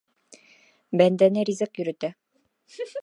Бәндәне ризыҡ йөрөтә.